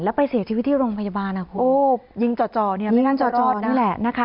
แล้วไปเสียชีวิตที่โรงพยาบาลอ่ะคุณโอ้ยิงจ่อเนี่ยไม่งั้นจ่อนี่แหละนะคะ